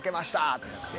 ってなって。